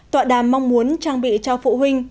tọa đàm mong muốn trang bị cho phụ huynh